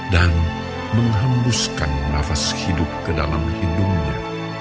dan menghembuskan nafas hidup ke dalam hidungnya